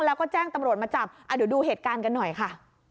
แล้วก็แจ้งตำรวจมาจับเดี๋ยวดูเหตุการณ์กันหน่อยค่ะ